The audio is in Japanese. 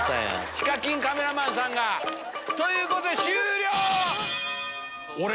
ＨＩＫＡＫＩＮカメラマンさんが。ということで終了！